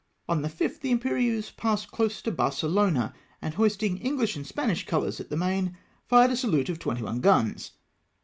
On the 5th the Imjjerieuse passed close to Barcelona, and hoisting Enghsh and Spanish colours at the main, fired a salute of 21 guns